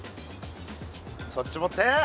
そっち持って！